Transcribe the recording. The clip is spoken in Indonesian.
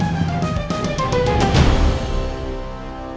ijen saya lihat lebih detail lagi